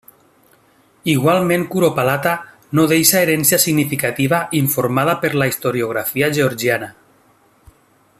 Igualment curopalata, no deixa herència significativa informada per la historiografia georgiana.